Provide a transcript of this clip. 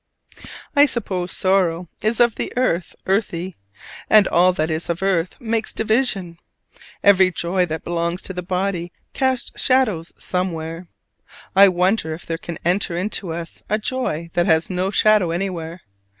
I suppose sorrow is of the earth earthy: and all that is of earth makes division. Every joy that belongs to the body casts shadows somewhere. I wonder if there can enter into us a joy that has no shadow anywhere?